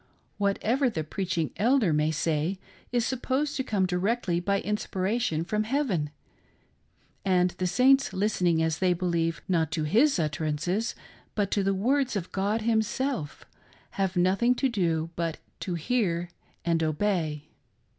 Whatever the preaching elder may say is supposed to come directly by inspiration from heaven, and the Saints listening, as they believe, not to his utterances but to the words of God Himself, have nothing to do but to hear and obey.